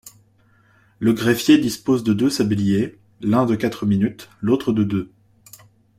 Le greffier dispose de deux sabliers, l'un de quatre minutes, l'autre de deux.